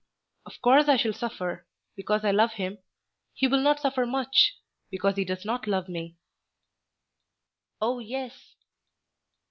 Of course I shall suffer, because I love him. He will not suffer much, because he does not love me." "Oh, yes!"